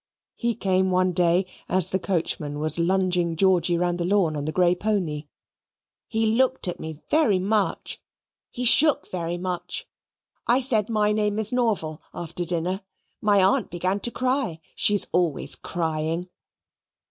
He came one day as the coachman was lunging Georgy round the lawn on the gray pony. "He looked at me very much. He shook very much. I said 'My name is Norval' after dinner. My aunt began to cry. She is always crying."